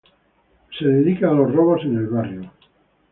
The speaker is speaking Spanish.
Él se dedica a los robos en el barrio.